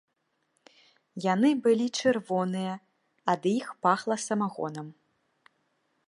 Яны былі чырвоныя, ад іх пахла самагонам.